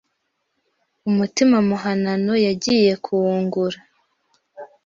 Umutima muhanano yagiye kuwungura